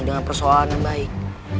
dengan persoalan yang baik